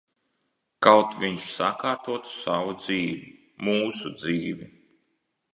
Kaut viņš sakārtotu savu dzīvi. Mūsu dzīvi.